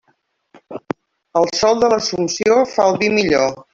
El sol de l'Assumpció fa el vi millor.